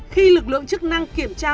khi lực lượng chức năng kiểm tra